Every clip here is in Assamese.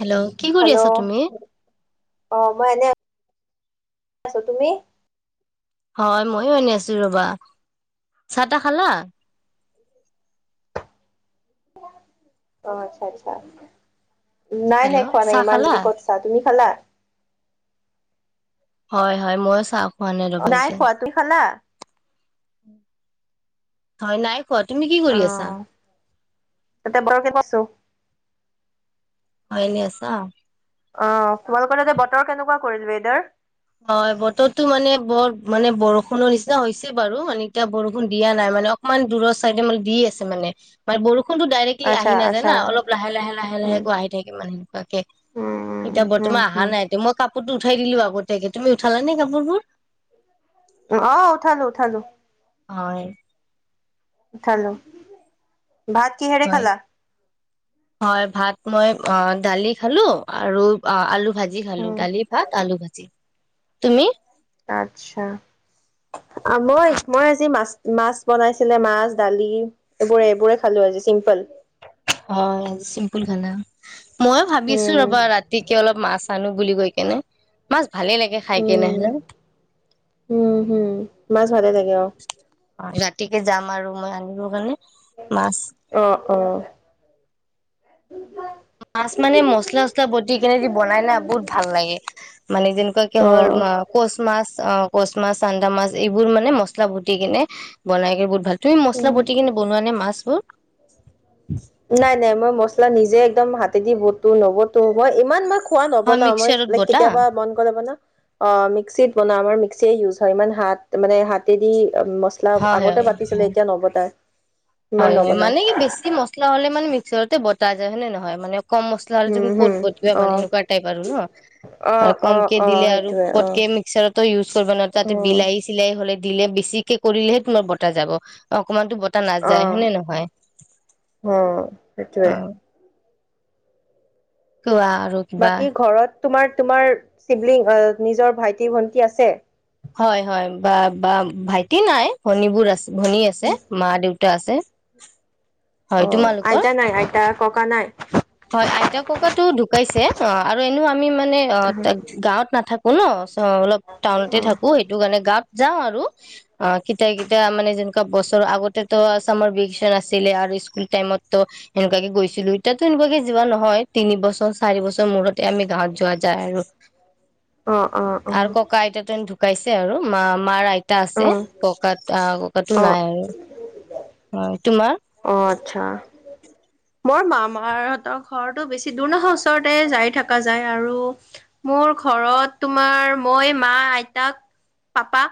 হেল্ল'! কি কৰি হেল্ল' আছা তুমি? অ মই এনে আছোঁ, তুমি? হয়, ময়ো এনে আছোঁ ৰ'বা। চাহ, তাহ খালা? অ', আচ্ছা, আচ্ছা। নাই, হেল্ল' নাই, খোৱা নাই, চাহ ইমান খালা? যদি ক'ত চা তুমি খালা? হয়, হয়, মই চাওঁ নাই খোৱা, তুই খালা? হৱা নাই। খোৱা। তুমি কি কৰি আছা? অ', তাতে [unintelligible] আছোঁ। ভালে আছা? অ', তোমালোকৰ তাতে বতৰ কেনেকুৱা কৰিল ঈদৰ? অ', বতৰটো মানে বৰ মানে বৰষুণৰ নিচিনা হৈছে বাৰু, মানে এতিয়া বৰষুণ দিয়া নাই, মানে অকমান দূৰৰ চাইডে মানে দি আছে মানে, মানে বৰষু ষুণটো ডাইৰেক্টলি আচ্ছা আহি নাযায় আচ্ছা না, অলপ লাহে লাহে লাহে উম লাহেকৈ আহি থাকে মানে সেনেকুৱাকে। উম এতিয়া উম বৰ্তমান আহা উম নাই এতিয়া, মই কাপ সেটো উঠাই দিলো আগত। [unintelligible] তুমি উঠালা নে কাপোৰবোৰ? অ', উঠালো, উঠালো। হয়। উঠালো। ভাত কিহেৰে হয় খালা? হয়। ভাত মই অ দালি খালো আৰু আলু ভাজি খালো, উম দালি ভাত আলু ভাজি। তুমি? আচ্ছ। মই মই আজি মাছ মাছ বনাইছিলো, মাছ দালি এইবোৰে এইবোৰে খালো, আজি চিম্পল। হয় চিম্পল খানা। ময়ো ভাবিছো উম ৰ'বা ৰাতিকে অলপ মাছ আনো বুলি কৈ কেনে, মাছ ভালে লাগে খাই কেনে উম হে ন উম হম। মাছ ভালে লাগে অ অ' ৰাতিকে যাম আৰু। হয়। আনিবৰ কাৰনে অ' অ' মাছ মানে মচলা চচলা বতি কিনেদি বনাই না বহুত ভাল লাগে। মানে যেনেকুৱাকে অ হ'ল কচ মাছ অ' কচ মাছ, চান্দা মাছ, এইবোৰ মানে মছলা বতি কিনে বনাই কৰি বহুত ভাল তুমি মছলা উম বতি কিনে বনোৱা নে মাছবোৰ? নাই নাই মই মছলা নিজে একদম হাতে দিবতো নবতো মই ইমান ম খোৱা হয় নবনাওঁ মই মিক্সাৰত লাই বতা কেতিয়াবা মন গ'লে বনাওঁ, অ' মে মিক্সিত বনাওঁ আমাৰ মিক্সিয়ে ইউজ হয়। ইমান হাত মানে হাতেদি মছলা হয় আগতে হয় বতিছিলে, এতিয়া নবতাই। ইমান হয় হয় নবনাই মানে কি বেছি ম ক্ল হ'লে মানে মিক্সাৰতে বটা যায় হয় নে নহয় মানে কম মছলা হ'লে উম তুমি ক'ত হুম বটিবা অ মানে সেনেকুৱা টাইপ আৰু ন অ আৰু অ কমকে অ দিলে আৰু সেইটোৱে অ ক'তকে মিক্সাৰতো ইউজ কৰিবা ন অ তাতে বিলাহী চিলাহী হ'লে দিলে বেছিকে কৰিলেহে তোমাৰ বতাহ যাব অকনমানটো বতাহ অহ অ অ সেইটোৱে কোৱা আৰু কিবা? বাকী ঘৰত তোমাৰ তোমাৰ চিবলিং আহ নিজৰ ভাইটি ভন্টি আছে? হয়, হয়, বা-বা ভাইটি নাই, ভনীবোৰ আছ ভনী আছে, উম মা, দেউতা আছে। হয় অ', তোমালোকৰ আইতা নাই, আইতা? ককা নাই? হয়, আইতা, ককাতো ঢুকাইছে অ', আৰু এনেয়ো আমি মানে অ', ত' গাওঁত নাথা [unintelligible] অ', অলপ টাউনতে অ থাকোঁ, সেইটোকাৰণে গাত যাওঁ আৰু অ', কিতিয়া, কিতিয়া মানে যেনেকুৱা বছৰৰ আগতেটো চামাৰ ভেকিচন আছিলে আৰু ইস্কুল টাইমতো সেনেকুৱাকে গৈছিলোঁ, এতিয়া এনেকুৱাকে যোৱা নহয়, তিনিবছৰ, চাৰিবছৰ মূৰতে আমি গাঁৱত যোৱা যায় আৰু। অ অ অ আৰু ককা আইতাটো ঢ়ু ঢ়ুকাইছে আৰু মা মাৰ আই তা অ আছে, ককাত আ, ককাতো অ নাই আৰু অ' অ', আচ্ছা। মই মামাহঁতৰ ঘৰতো বেছি দূৰ নহয় ওচৰতে যায় থাকা যায় আৰু, মোৰ ঘৰত তোমাৰ মই, মা, আইতাক, পাপা।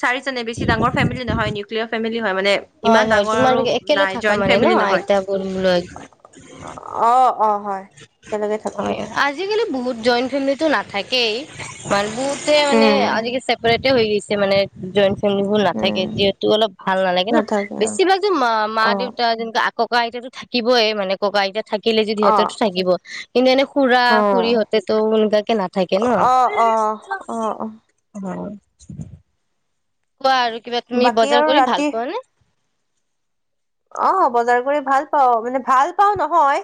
চাৰিজনে, বেছি ডাঙৰ ফেমিলি নহয়, নিউক্লিয়াৰ ফেমিলি হয় মানে, ইমান ডাঙৰ আৰু একেলৈ নাই থাকা জইণ্ট মানে ন, ফেমিলি নহয় আইতা [unintelligible] অ অ হয় একেলগে থাকো হয়, আজিকালি বহুত জইণ্ট ফেমিলিতো নাথাকেই [unintelligible] [unintelligible] ‌ মানে উম আজি [unintelligible] হৈ গৈছে মানে জইন মানুহবোৰ নাথাকে উম যিহেতু অলপ ভাল নালাগে ন, নাথাকে বেছি ভাগ যে মা, মা অ দেউতা যেনেকৈ আক ককা আইতাতো থাকিবই মানে, ককা আইতা থাক [inaudible] অ তাতো থাকিব, কিন্তু এনে খুৰা, অ অ খুুৰীহঁতেতো [unintelligible] নাথাকে ন? অ', অ', অ', অ', শিক [unintelligible] বাৰু কিবা তুমি বাকী বজাৰ আৰু কৰি ভাল ৰাতি পোৱা নে? অ' বজাৰ কৰি ভাল পাওঁ মানে ভাল পাও নহয়,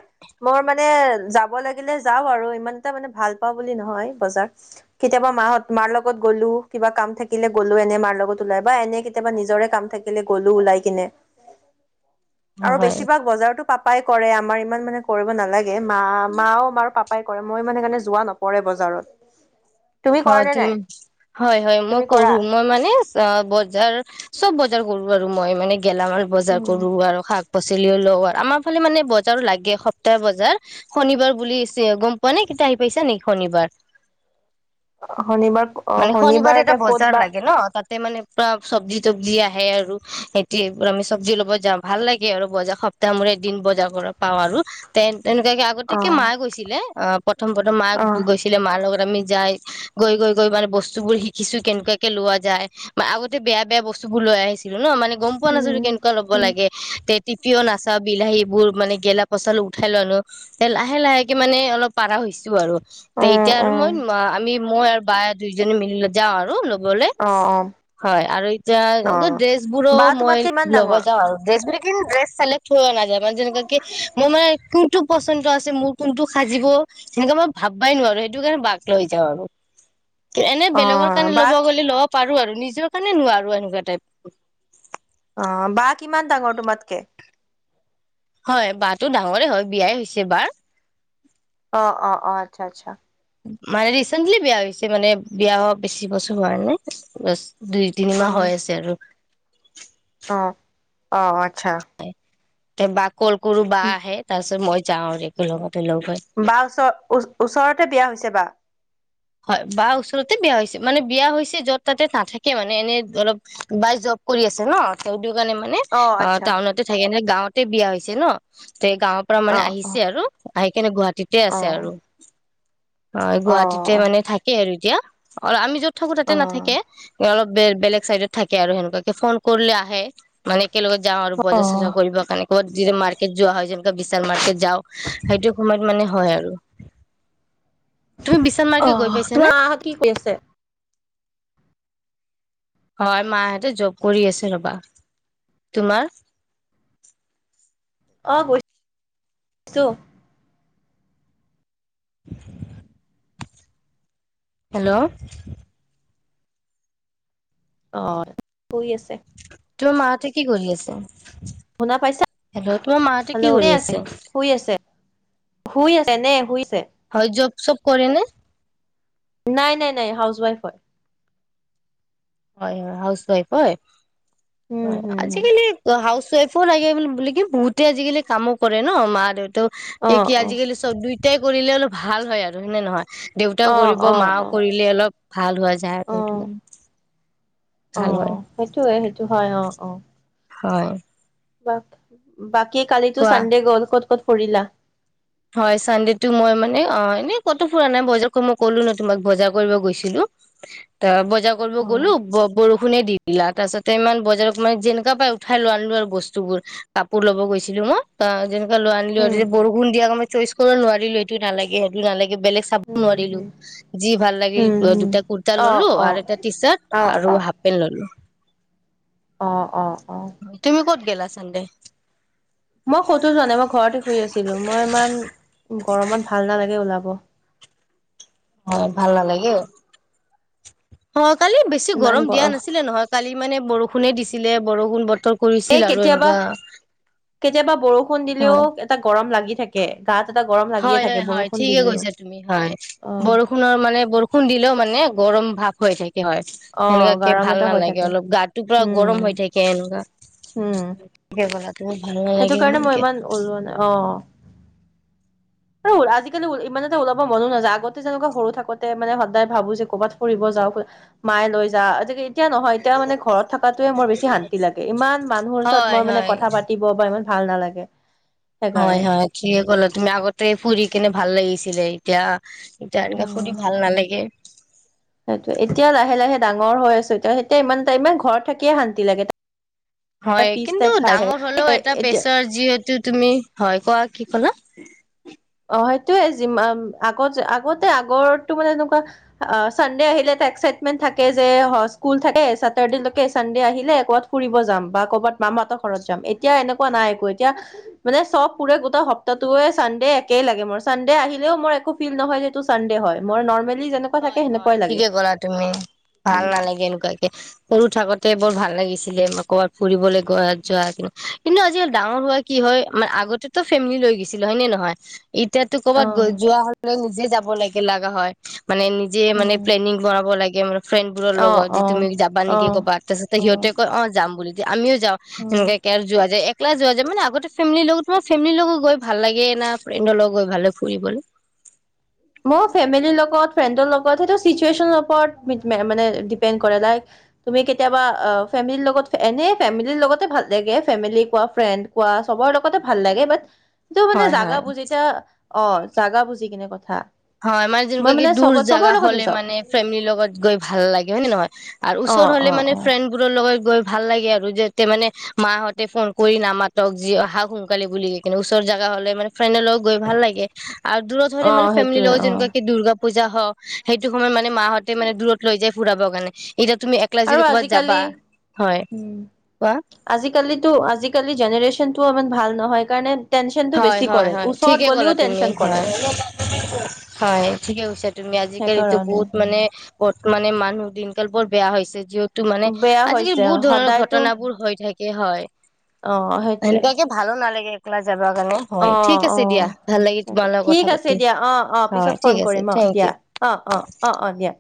মই মানে যাব লাগিলে যাওঁ আৰু ইমান এটা মানে ভাল পাওঁ বুলি নহয় বজাৰ কেতিয়াবা মাহ'ত মাৰ লগত গ'লো কিবা কাম থাকিলে গ'লো এনে মাৰ লগত ওলাই বা এনে কেতিয়াবা নিজৰে কাম থাকিলে গ'লো ওলাই কিনে। আৰু হয় বেছিভাগ বজাৰতো পাপাই কৰে, আমাৰ ইমান মানে কৰিব নালাগে। মা মাও আমাৰ পাপা পাই কৰে, মই মান সেইকাৰণে যোৱা নপৰে বজাৰত। তুমি কৰা হয় নে তুমি নাই হয় হয় মই তুমি কৰা? ক'ৰো, মই মানে অ' বজাৰ চব বজাৰ কৰো আৰু মই মানে গেলামাল বজাৰ উম, কৰো আৰু শাক পাচলি এওঁৰ লগত, আমাৰ ফালে মানে বজাৰো লাগে সপ্তাহ বজাৰ, শনিবাৰ বুলি গ'ম পোৱা নে? কেতিয়া আহি পাইছা নেকি? শনিবাৰ শনিবাৰ, অ মানে শনিবাৰে শনিবাৰ এটা এতিয়া বজাৰ ক'ত বা লাগে ন [unintelligible] চব্জি তবজি আহে আৰু [unintelligible] আমি চব্জি ল'ব যাওঁ, ভাল লাগে আৰু বজাৰ সপ্তাহ মোৰে এদিন বজাৰ কৰা পাওঁ আৰু, তেন তেনেকুৱাকে আগতে একে অ'। মা গৈছিলে, অ প্ৰথম প্ৰথম মা অ', গৈছিলে, মাৰ লগত আমি যায় গৈ গৈ গৈ মানে বস্তু বোৰ শিকিছো কেনেকুৱাকে লোৱা যায়, ম আগতে বেয়া বেয়া বস্তু বোৰ লৈ আহিছিলো ন মানে গ'ম পোৱা নাছিলো উম, কেনেকুৱা ল'ব উম, লাগে, তে টিপিও নাচাওঁ, বিলাহী এইবোৰ, মানে গেলা পচা উঠাই লৈ আনো, লাহে লাহেকে মানে অলপ পাৰা হৈছো আৰু তে অ', এতিয়া আৰু মই, অ', আমি মই আৰু বায়ে দুইজনী মিলি লৈ যাওঁ আৰু ৰু লবলৈ, অ', অ', হয় আৰু এতিয়া অ'। ড্ৰেছ বোৰো বা মই তোমাতকে কিমান ল'ব ডাঙৰ? যাওঁ আৰু ড্ৰেছবোৰ [inaudible] মই যেনেকুৱাকে, মই মানে কোন টো পচন্দ আছে, মোৰ কোনটো সাজিব, সেটো মই ভাববাই নোৱাৰো, সেইটো কাৰণে বাক লৈ যাওঁ আৰু। এনে বেলেগৰ অ', কাৰণে বা ল'ব গ'লে ল'ব পাৰো আৰু নিজৰ কাৰণে নোৱাৰো, এনেকুৱা টাইপ অ', বা কিমান ডাঙৰ তোমাতকে? হয়, বাতো ডাঙৰে হয়, বিয়াই হৈছে বাৰ অ, অ, অ, আচ্ছা, আচ্ছা। মানে ৰিচেন্টলি বিয়া হৈছে মানে, বিয়া হোৱা বেছি বছৰ হোৱা নাই। দুই তিনিমাহ হৈ আছে আৰু। [inaudible] অঁ, অ' আচ্ছা। তে বাক কল কৰো বা আহে, তাৰ পিছত মই যাওঁ আৰু একে লগত বা ওচৰৰ‌ ওচ ওচৰতে বিয়া হৈছে বা। হয় বা ওচৰতে বিয়া হৈছে মানে বিয়া হৈছে যত তাতে নাথাকে মানে এনে অলপ বাই জব কৰি আছে ন। সেইটো কাৰণে মানে অ টাউনতে থাকে নে গাঁৱত বিয়া হৈছে ন, তে গাঁৱৰ পৰা মানে অ', অ', আহিছে আৰু আহি কেনে গুৱাহাটী ঠিকেই আছে অ', আৰু হয় গুৱাহাটীত, তে অ', মানে থাকে আৰু এতিয়া আৰু আমি যত থাকো অ'। তাতে নাথাকে অলপ বেলেগ চাইডত থাকে আৰু সেনেকুৱাকে ফোন কৰিলে আহে মানে, একেলগে যাওঁ আৰু বজা চজা অ', কৰিবা কাৰনে, [unintelligible] মাৰ্কেট যোৱা হয় যে বিশাল মাৰ্কেট যাও সেইটো সময়ত মানে, হয় আৰু। তুমি বিচ অহ তোমাৰ মা হত কি কৰি আছে? হয় মাহঁতে জব কৰি আছে ৰবা, তোমাৰ? অ গৈছোঁ, উ [unintelligible] হেল্লো অ কি কৰি আছে, তোমাৰ মাহতে কি কৰি আছে? শুনা পাইছা হেল্ল' তোমাৰ মাহঁতে কি হেল্লো' কৰি আছে শুই আছে শুই আছে এনে শুই আছে। হয় য চব কৰে নে? নাই নাই নাই হাউচ ৱাইফ হয়। হয় হয় হাউচৱাইফ হয়? উম হম হম আজিকালি হাউচ ৱাইফ'- ক লাগে বো বোলে কি বহুতে আজিকালি কামো কৰে ন মা দেউত কি অ কি অ আজিকালি চব দুই কৰিলে অলপ ভাল হয় আৰু হেনে নহয়? দেউতাও অ কৰিব অ মাও কৰিলে অলপ ভাল হোৱা যায় অ আৰু সেইটোৱে। অ', সেইটোয়ে সেইটো হয় অ'। অ'। হয়। ব বাকী কি কালিটো কোৱা চানডে গ'ল ক'ত ক' কৰিলা হয় চানডে টো মই মানে অ' এনেই কত ফুৰা নাই বজাৰ মই ক'লো ন তোমাক বজাৰ কৰিব গৈছিলো, ত পজা কৰিব অ গ'লো বৰষ খোনে দি দিলা, তাৰপাছতে ইমান বজাৰত মানে যেনেকা পাই উঠাই ল আনলো আৰু বস্তুবোৰ, কাপোৰ লব গৈছিলো মই অ' যে লো আনলো আৰু উম যে বৰষূণ মই চইচ কৰিব নোৱাৰিলো সটো নালাগে সেটো নালাগে বেলেগ চাব উম নোৱাৰিলো, হম যি ভাল লাগিল উম হম দুটা কুৰ্তা অ ললো অ আৰু এটা টি অ চাৰ্ট আৰু অ হাফ পেণ্ট ললো। অ', অ'। অ তুমি ক'ত গেলা চানডে। মই কতো যোৱা নাই, মই ঘৰতে শুই আছিলো, মই ইমান গৰমত ভাল নালাগে ওলাব। হয় ভাল নালাগে। অ কালি বেছি গৰম দিয়া নাছিলে নহয় কালি মানে বৰষুণে দিছিলে বৰষুণ বতৰ কৰিছিল এই আৰু কেতিয়াবা এনেকুৱা কেতিয়াবা বৰষুণ দিলেও হয় এটা গৰম লাগি থাকে গাত এটা গৰম লাগিয়ে হয় থাকে হয় হয় বৰষুণ ঠিকে দিলেও কৈছা তুমি হয়, অ বৰষুণৰ মানে বৰষুণ দিলেও মানে গৰম ভাব হয় থাক হয় অ সেনেকুৱাকে গৰম ভাল এটা হৈ নালাগে থাকে অলপ গাটোৰ পৰা উম গৰম হৈ থাকে এনেকুৱা। উম ঠিকে কলা তুমি ভাল সেইটো নালাগে কাৰণে মই ইমানকে ইমান ওলোৱা নাই অ'। আৰু আজিকালি ইমান এটা ওলাব মনো নাযায়, আগতে যেনেকুৱা সৰু থাকোতে মানে সদায় ভাবো যে ক'ৰবাত ফুব যাও মায়ে লৈ যাওঁ আজিকাল এতিয়া নহয় এতিয়া মানে ঘৰত থকাতোৱে মোৰ বেছি শান্তি লাগে, ইমান মানুহৰ ওচৰত হয় মই মানে হয় কথা পাতিব বা ইমান ভাল নালাগে। হয় সেইকাৰণে হয়, ঠিকে কল তুমি আগতে তে ফুৰি কিনে ভাল লাগিছিলে। এতিয়া এতিয়া এনেকে ফুৰি ভাল নালাগে। সেইটোৱে, এতিয়া লাহে লাহে ডাঙৰ হৈ আছোঁ, এতি এতিয়া ইমান [unintelligible] ঘৰত থাকিয়ে শান্তি লাগে। এটা হয় পিচ টাইপ কিন্তু ভাই ভাই ডাঙৰ হলেও এটা এতিয়া প্ৰেছাৰ যিহেতু তুমি, হয় কোৱা কি ক'লা। [inaudible] অ', সেইটোৱে যি, আগত আগতে আগো মানে এনেকুৱা, চানডে আহিলে এটা এক্সাইটমেন্ট থাকে যে স্কুল থাকে চেটাৰডে লৈ, চানডে আহিলে কবাত ফুৰিব যাম বা ক'ৰবাত মামাহঁতৰ ঘৰত যাম। এতিয়া এনেকুৱা নাই একো এতিয়া মানে চব পুৰে গোটেই সপ্তাহটোয়ে চানডে একেই লাগে মোৰ। চানডে আহিলেও মোৰ একো ফিল নহয়, এইটো চানডে হয়, মই নৰ্মেল হয় হয় ঠিকে ক'লা তুমি, ভাল উম নালাগে এনেকুৱাকে। ৰু থাকোতে বৰ ভাল লাগিছিলে ক'ৰবাত ফুৰিবলৈ গাত যোৱা, কিন্তু কিন্তু আজিকালি ডাঙৰ হোৱা কি হয়, ম আগতেটো ফেমিলি লৈ গৈছিল হয় নে নহয়। এতিয়াতো ক'বাত অ গৈ যোৱা হ'লে নিজে যাব ব লেকে লাগা হয়। মানে নিজে মানে উম প্লেনিং কৰাব লাগে। কে [unintelligible] ফ্ৰেণ্ড বোৰৰ অ লগত যি অ তুমি অ নিকি ক'বাত, তাৰিপছতে অ সহ'তে কয় অ' যাম বুলি। যে আমিওঁ যওঁ উম এনেকে কে যোৱা যায় লাই যোৱা যায় মানে, আগতে ফেমিৰ লগত তোমাৰ ফেমিলিৰ লগত গৈ ভাল লাগে ন ফ্ৰেণ্ডৰ লগ গৈ ভালে ফুৰিবলৈ? মই ফেমেলিৰ লগত ফ্ৰণ্ডৰ লগত হেইতো মানে চটোয়েশ্যনৰ ওপৰত মানে ডিপেন কৰে, লাইক তুমি কতিয়াবা ফেমেলিৰ লগত এনে ফেমেলিৰ লগতে ভাল লাগে, ফেমেলি কোৱা ফ্ৰণ্ড কোৱা চবৰে লগতে ভাল লাগে। বাট য' মানে হয় জাগা হয় বুজি এতিয়া অ জাগা বুজি কিনে কথা থা হয় মানে যেনেকুৱা কি দূৰ জাগা হ'লে যাওঁ মানে ফেমিলিৰ লগত গৈ ভাল লাগে হয় নে নহয়? আৰু অ ওচৰ হ'লে অ মানে অ ফ্ৰেণ্ডোৰৰ লগত গ গৈ ভাল লাগে আৰু, যেতে মানে মাহঁতে ফোন কৰি নামাতক যি অহা সোনকালে বুলি, কোনো ওচৰ জাগা হ'লে মানে ফ্ৰেণ্ডৰ লগ গৈ ভাল লাগে। আৰু দূৰত হ'লে অ মানে সেইটোৱে দিলওঁ অ যেনকু কি দুৰ্গা পূজা হওঁক সেইটো সময়ত মানে মাহঁতে মানে দূৰত লৈ যায় ফুৰাব কাৰণে। এতিয়া তুমি একলা আৰু যদি ক'ৰবাত আজিকালি যাবা হয় উ কোৱা আজিকালিতো আজিকালি জেনেৰে্শ্যন টো ইমান ভাল নহয় কাৰণে টেনচনটো হয় বেছি হয় কৰে হয় ওচৰত ঠিকে ক'লা গ'লেও তুমি, টেনচন কৰে হয় হয় ঠিকে কৈছা তুমি আজিকালিতো সেইকাৰণে বহুত মানে ক'ত মানে মানুহ দিনকাল বৰ বেয়া হৈছে। য'ত টো মানে বেয়া আজিকালি হৈছে বহুত ধৰণৰ সদায়তো ঘটন বোৰ হৈ থাকে। এ' হয়। অ সেইটোৱে হেনেকুৱাকে ভালো নালাগে। ক্ [unintelligible] [inaudible] অ', অ', লাগিল তোমাৰ লগত ঠিক কথা আছে পাতি দিয়া অ', অ', হয় পিছত ফোন ঠিক আছে কৰিম অ', থেংক ইউ। দিয়া অ', অ', অ', অ', দিয়া।